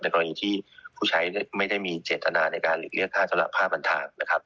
ในกรณีที่ผู้ใช้ไม่ได้มีเจตนาในการเหลือกลิขค่าชำระภาพบันทาง